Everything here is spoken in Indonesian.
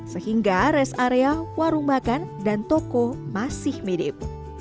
sehingga res area warung makan dan toko masih medip